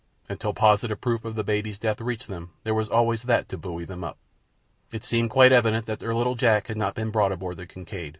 Until positive proof of the baby's death reached them there was always that to buoy them up. It seemed quite evident that their little Jack had not been brought aboard the Kincaid.